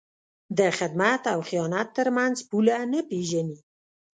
د خدمت او خیانت تر منځ پوله نه پېژني.